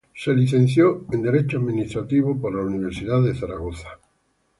Se licenció en derecho administrativo en la Universidad de Zaragoza.